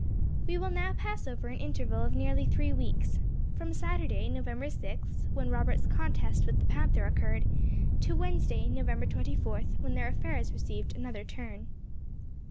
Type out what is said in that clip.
We will now pass over an interval of nearly three weeks, from Saturday, November sixth, when Robert's contest with the panther occurred, to Wednesday, November twenty fourth, when their affairs received another turn.